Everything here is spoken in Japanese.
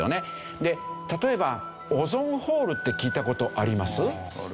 で例えばオゾンホールって聞いた事あります？